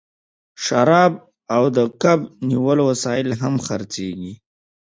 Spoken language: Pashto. شراب او د کب نیولو وسایل هم خرڅیږي